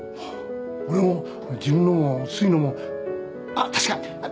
俺も自分のもすいのもあっ確か！